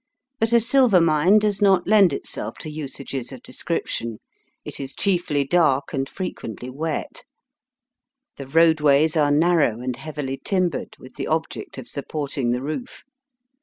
But a silver mine does not lend itseK to usages of de scription. It is chiefly dark and frequently wet. The roadways are narrow and heavily timbered, with the object of supporting the roof.